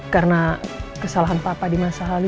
karena kesalahan papa di masa lalu